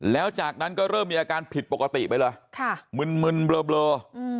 แล้วจากนั้นก็เริ่มมีอาการผิดปกติไปเลยค่ะมึนมึนเบลอเบลออืม